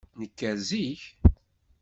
Nker zik.